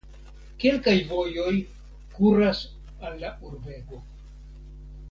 Kelkaj vojoj kuras al la urbego.